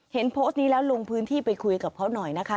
เห็นโพสต์นี้แล้วลงพื้นที่ไปคุยกับเขาหน่อยนะคะ